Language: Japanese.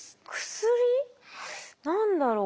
薬？何だろう？